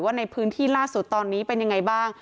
ในพื้นที่ล่าสุดตอนนี้เป็นยังไงบ้าง